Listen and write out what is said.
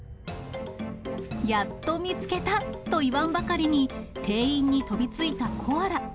やっと見つけた！と言わんばかりに、店員に飛びついたコアラ。